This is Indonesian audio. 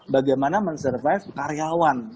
bagaimana men survive karyawan